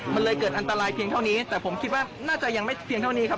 มันเลยเกิดอันตรายเพียงเท่านี้แต่ผมคิดว่าน่าจะยังไม่เพียงเท่านี้ครับ